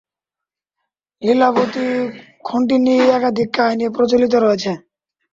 লীলাবতী খণ্ডটি নিয়ে একাধিক কাহিনী প্রচলিত রয়েছে।